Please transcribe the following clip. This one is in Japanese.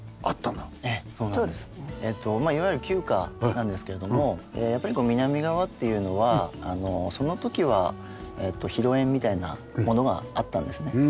いわゆる旧家なんですけれどもやっぱり南側っていうのはその時は広縁みたいなものがあったんですね。